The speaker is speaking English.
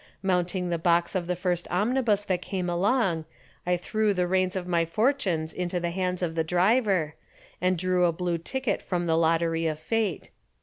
Mounting the box of the first omnibus that came along, I threw the reins of my fortunes into the hands of the driver, and drew a little blue ticket from the lottery of fate.